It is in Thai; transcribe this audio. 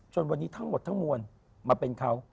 วันนี้ทั้งหมดทั้งมวลมาเป็นเขา